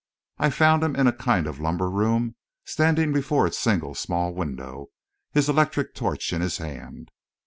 I found him in a kind of lumber room, standing before its single small window, his electric torch in his hand.